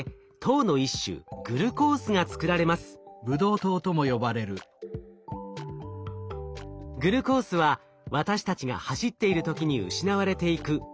グルコースは私たちが走っている時に失われていくいわば燃料。